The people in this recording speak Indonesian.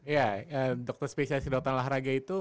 ya dokter spesialis ke dokteran olahraga itu